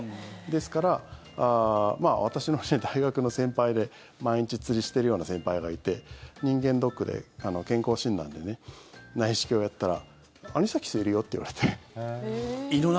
ですから、私の大学の先輩で毎日釣りしてるような先輩がいて人間ドックで健康診断で内視鏡をやったら胃の中に？